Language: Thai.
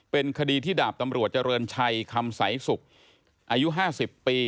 เป็นคดีที่ดาบตำรวจเจริญชัยคำสายสุขอายุ๕๐ปี